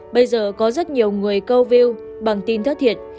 bây giờ có rất nhiều người câu view bằng tin thất thiệt